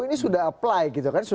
ini sudah apply